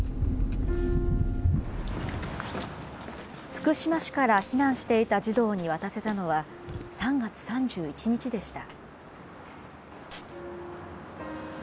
福島市から避難していた児童に渡せたのは３月３１日でした。